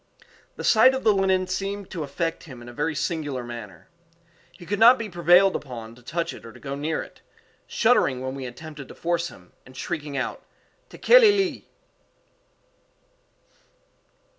The sight of the linen seemed to affect him in a very singular manner. He could not be prevailed upon to touch it or go near it, shuddering when we attempted to force him, and shrieking out, _"Tekeli li!"